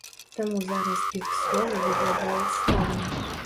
Таму зараз іх словы выглядаюць слаба.